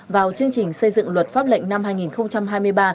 vào chương trình xây dựng luật pháp lệnh năm hai nghìn hai mươi ba